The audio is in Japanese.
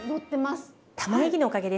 たまねぎのおかげですね。